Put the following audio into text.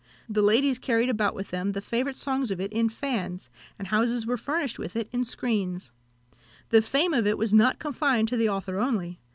The ladies carried about with them the favourite songs of it in fans, and houses were furnished with it in screens. The fame of it was not confined to the author only.